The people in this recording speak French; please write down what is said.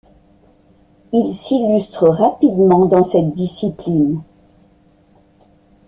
Il s’illustre rapidement dans cette discipline.